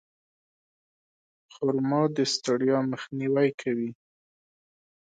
خرما د ستړیا مخنیوی کوي.